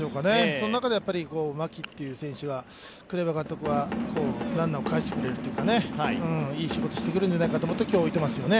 その中で牧という選手が、栗山監督はランナーを返してくれるとかいい仕事してくれるんじゃないかと思って、今日置いていますよね。